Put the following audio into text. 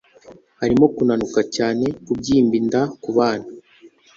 harimo kunanuka cyane, kubyimba inda ku bana